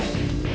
eh mbak be